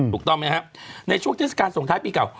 ถูกต้องไหมครับในช่วงเทศกาลส่งท้ายปีเก่า